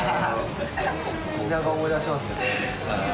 田舎を思い出しますよね。